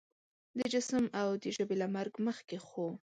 د جسم او د ژبې له مرګ مخکې خو